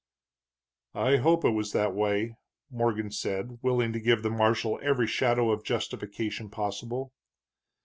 "I hope it was that way," Morgan said, willing to give the marshal every shadow of justification possible.